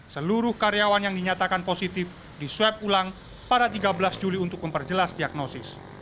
seluruh karyawan yang dinyatakan positif disweb ulang pada tiga belas juli untuk memperjelas diagnosis